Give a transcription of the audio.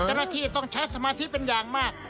กระที่ต้องใช้สมาธิเป็นอย่างมาก